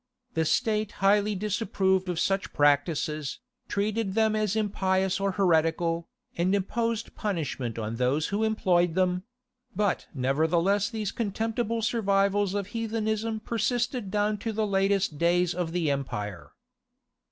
The State highly disapproved of such practices, treated them as impious or heretical, and imposed punishment on those who employed them: but nevertheless these contemptible survivals of heathenism persisted down to the latest days of the empire.